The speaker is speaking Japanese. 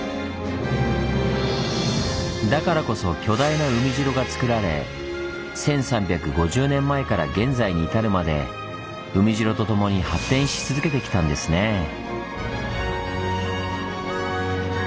だからこそ巨大な海城がつくられ１，３５０年前から現在に至るまで海城とともに発展し続けてきたんですねぇ。